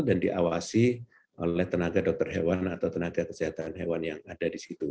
dan diawasi oleh tenaga dokter hewan atau tenaga kesehatan hewan yang ada di situ